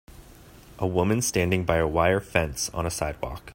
A woman standing by a wire fence on a sidewalk.